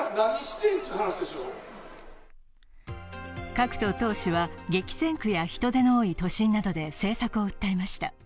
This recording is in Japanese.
各党党首は激戦区や人出の多い都心などで政策を訴えました。